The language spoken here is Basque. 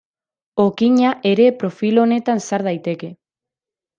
Okina ere profil honetan sar daiteke.